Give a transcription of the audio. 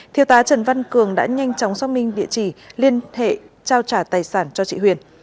thiêu tá trần văn cường đã nhanh chóng xót minh địa chỉ liên hệ trao trả tài sản cho chị huyền